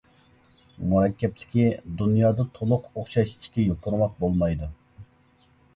مۇرەككەپلىكى: دۇنيادا تولۇق ئوخشاش ئىككى يوپۇرماق بولمايدۇ.